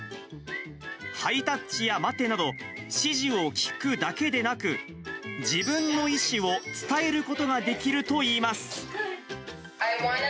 ハイタッチや待てなど、指示を聞くだけでなく、自分の意思を伝えることができるといいます。